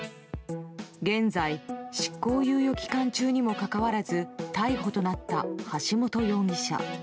現在執行猶予期間中にもかかわらず逮捕となった橋本容疑者。